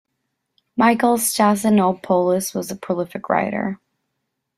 Michail Stasinopoulos was a prolific writer.